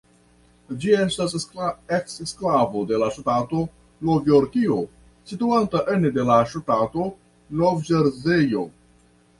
Ĝi estas eksklavo de la ŝtato Novjorkio situanta ene de la ŝtato Nov-Ĵerzejo.